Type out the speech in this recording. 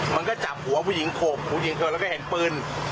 มันก็จับหัวผู้หญิงโขกผู้หญิงเธอแล้วก็เห็นปืน